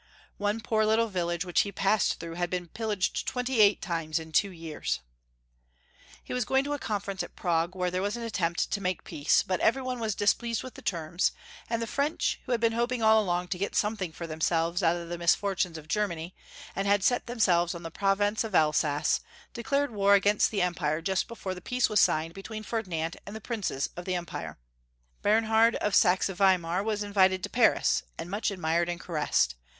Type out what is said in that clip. One poor little village which \ Ferdinand U. 851 lie passed through had been pillaged twenty eight times in two years ! He was going to a conference at Prague, where there was an attempt to make peace, but every one was displeased with the terms, and the French, who had been hoping all along to get something for themselves out of the misfortunes of Germany, and had set their hearts on the province of Elsass, de clared war against the Empire just before the peace was signed between Ferdinand and the princes of the Empire. Bernhard of Saxe Weimar was invi ted to Paris, and much admired and caressed.